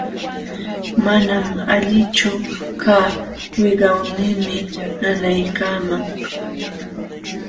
Manam allinchu kaa, wiqawniimi nanaykaaman.